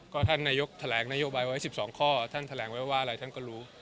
ก็ท่านนายกแถลงนโยบายไว้๑๒ข้อท่านแถลงไว้ว่าอะไรท่านก็รู้